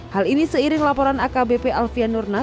hal ini seiring laporan akbp alfian nurnas